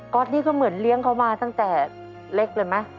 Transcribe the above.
อตนี่ก็เหมือนเลี้ยงเขามาตั้งแต่เล็กเลยไหม